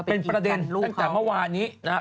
เป็นประเด็นแต่เมื่อวานี้นะฮะ